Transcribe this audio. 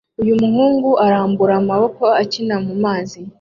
Uyu muhungu arambura amaboko akina mu mazi